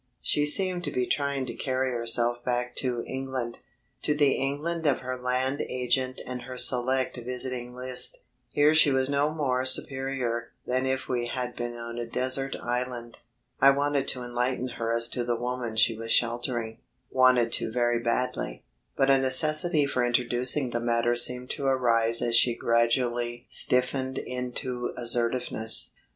She seemed to be trying to carry herself back to England, to the England of her land agent and her select visiting list. Here she was no more superior than if we had been on a desert island. I wanted to enlighten her as to the woman she was sheltering wanted to very badly; but a necessity for introducing the matter seemed to arise as she gradually stiffened into assertiveness.